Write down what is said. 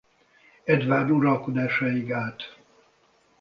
Eduárd uralkodásáig állt.